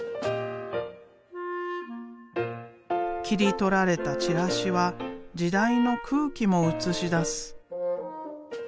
切り取られたチラシは時代の空気も映し出す。